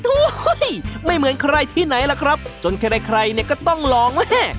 โอ้ยไม่เหมือนใครที่ไหนละครับจนใครก็ต้องลองนะ